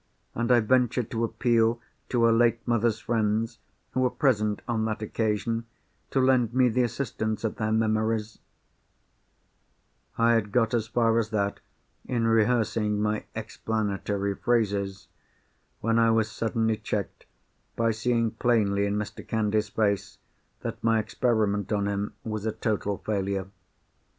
And I venture to appeal to her late mother's friends who were present on that occasion, to lend me the assistance of their memories——" I had got as far as that in rehearsing my explanatory phrases, when I was suddenly checked by seeing plainly in Mr. Candy's face that my experiment on him was a total failure.